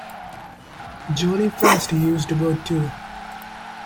Jolly fast he used to go too.